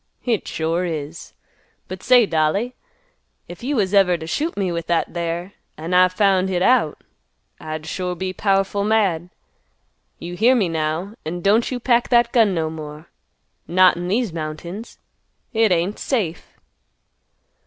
"Hit sure is. But say, dolly, if you was ever t' shoot me with that there, an' I found hit out, I'd sure be powerful mad. You hear me, now, an' don't you pack that gun no more; not in these mountains. Hit ain't safe."